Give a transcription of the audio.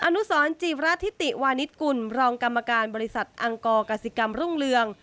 อนุสรจีบรัฐธิติวานิสกุลรองกรรมการบริษัทอังกรกสิกรรมรุ่งเรือง